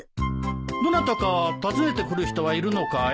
どなたか訪ねてくる人はいるのかい？